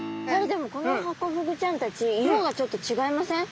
でもこのハコフグちゃんたち色がちょっと違いません？